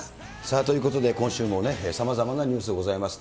ということで、今週もさまざまなニュースがございました。